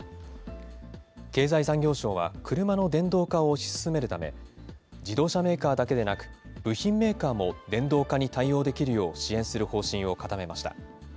経済産業省は、車の電動化を推し進めるため、自動車メーカーだけでなく、部品メーカーも電動化に対応できるよう、支援する方針を固めました。